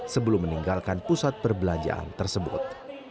sebelum meninggalkan pusat perbelanjaan tersebut